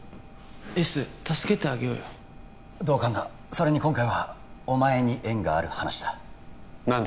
エース助けてあげようよ同感だそれに今回はお前に縁がある話だ何だ？